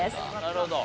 なるほど。